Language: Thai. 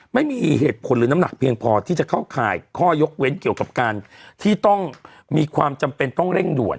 ไม่มีเหตุผลหรือน้ำหนักเพียงพอที่จะเข้าข่ายข้อยกเว้นเกี่ยวกับการที่ต้องมีความจำเป็นต้องเร่งด่วน